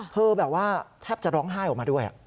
แบบว่าแทบจะร้องไห้ออกมาด้วย